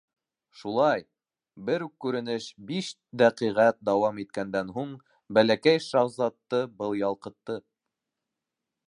Шулай, бер үк күренеш биш дәҡиғәт дауам иткәндән һуң Бәләкәй шаһзатты был ялҡытты.